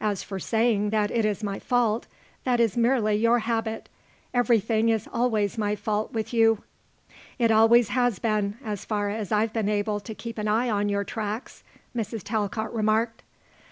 As for saying that it is my fault, that is merely your habit. Everything is always my fault with you." "It always has been, as far as I've been able to keep an eye on your tracks," Mrs. Talcott remarked.